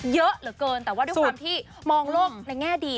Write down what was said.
เยอะเหลือเกินแต่ว่าด้วยความที่มองโลกในแง่ดี